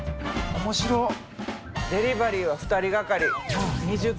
デリバリーは２人がかり。